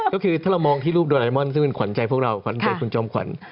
ก็คือถ้าเรามองที่รูปโดไอมอนซึ่งเป็นขวัญใจพวกเราขวัญใจคุณจอมขวัญ